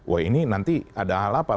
wah ini nanti ada hal apa